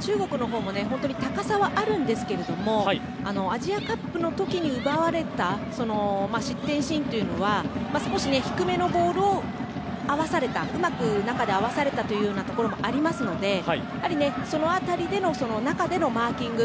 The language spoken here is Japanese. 中国のほうも高さはあるんですけどもアジアカップの時に奪われた失点シーンというのは少し低めのボールをうまく中で合わされたというのもありますので、その辺りでの中でのマーキング。